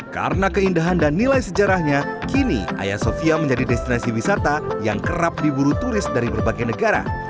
karena keindahan dan nilai sejarahnya kini ayasofya menjadi destinasi wisata yang kerap diburu turis dari berbagai negara